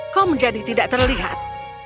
kau menjadi tidak terlihat